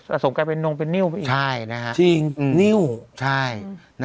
สมกลายเป็นนงเป็นนิ้วไปอีกใช่นะฮะจริงนิ้วใช่